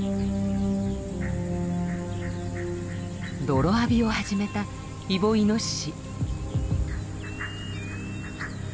泥浴びを始めたイボイノシシ。